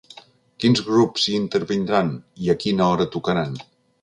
Quins grups hi intervindran i a quina hora tocaran?